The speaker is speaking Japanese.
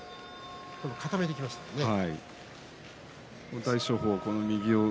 固めていきましたね。